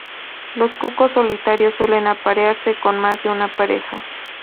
Los cucos solitarios suelen aparearse con más de una pareja.